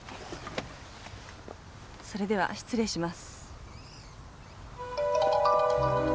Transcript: それでは失礼します。